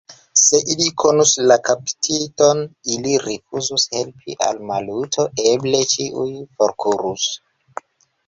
Se ili konus la kaptiton, ili rifuzus helpi al Maluto, eble ĉiuj forkurus.